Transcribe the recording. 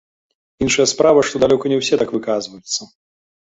Іншая справа, што далёка не ўсе так выказваюцца.